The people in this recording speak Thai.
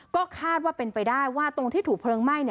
ก็คาดว่าเป็นไปได้ว่าตรงที่ถูกเพลิงไหม้